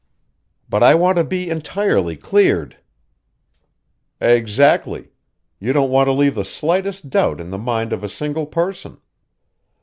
"But I want to be entirely cleared." "Exactly. You don't want to leave the slightest doubt in the mind of a single person.